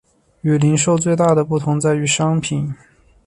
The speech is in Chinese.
与零售最大的不同在于商品。